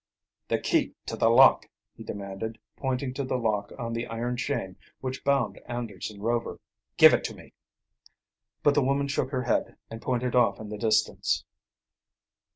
"The key to the lock," he demanded, pointing to the lock on the iron chain which bound Anderson Rover. "Give it to me." But the woman shook her head, and pointed off in the distance.